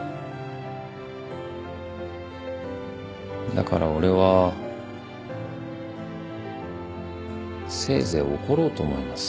だから俺はせいぜい怒ろうと思います。